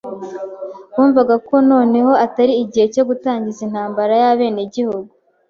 Bumvaga ko noneho atari igihe cyo gutangiza intambara y'abenegihugu.